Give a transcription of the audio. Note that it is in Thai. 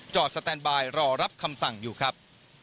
สแตนบายรอรับคำสั่งอยู่ครับ